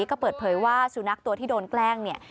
ก็เปิดเผยว่าสุนัขตัวที่โดนแกล้งเนี่ย